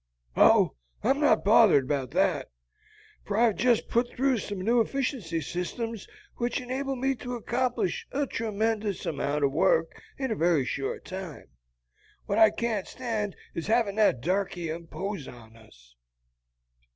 "Oh, I'm not bothered about that, for I've just put through some new efficiency systems which enable me to accomplish a tremendous amount of work in a very short time. What I can't stand is having that darky impose on us."